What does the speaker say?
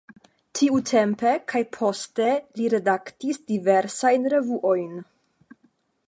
Tiutempe kaj poste li redaktis diversajn revuojn.